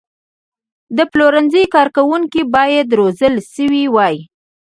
د پلورنځي کارکوونکي باید روزل شوي وي.